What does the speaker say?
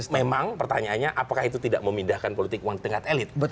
memang pertanyaannya apakah itu tidak memindahkan politik uang di tingkat elit